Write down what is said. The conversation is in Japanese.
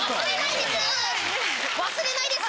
いや忘れないです！